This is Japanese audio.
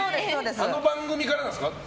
あの番組からなんですか？